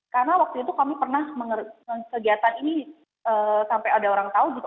karena waktu itu kami pernah kegiatan ini sampai ada orang tau gitu